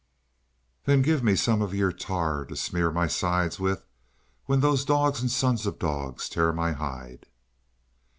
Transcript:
"Then give me some of your tar to smear my sides with, when those dogs and sons of dogs tear my hide!"